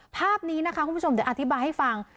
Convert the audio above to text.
ภาพนี้นะคะคุณผู้ชมเดี๋ยวอธิบายให้ฟัง